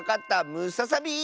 ムササビ！